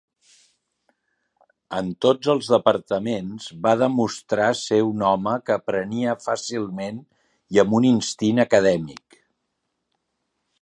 En tots els departaments va demostrar ser un home que aprenia fàcilment i amb un instint acadèmic.